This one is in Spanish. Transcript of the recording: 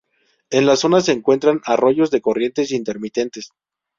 En la zona se encuentran arroyos de corrientes intermitentes.